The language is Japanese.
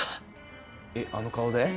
えあの顔で？